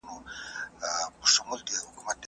علم ولې له عامه قوانینو سره اړیکه لري؟